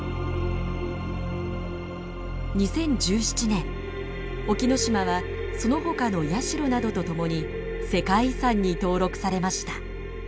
２０１７年沖ノ島はその他の社などと共に世界遺産に登録されました。